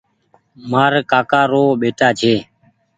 مآر ڪآڪآ رو ٻيٽآ ڇي۔